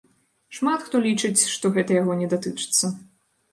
Шмат хто лічыць, што гэта яго не датычыцца.